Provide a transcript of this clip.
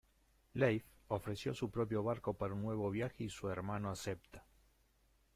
Leif ofreció su propio barco para un nuevo viaje y su hermano acepta.